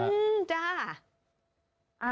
อืมจ้า